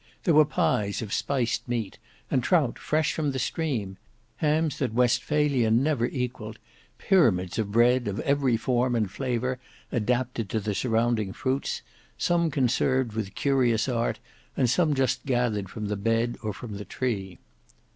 There were pies of spiced meat and trout fresh from the stream, hams that Westphalia never equalled, pyramids of bread of every form and flavour adapted to the surrounding fruits, some conserved with curious art, and some just gathered from the bed or from the tree.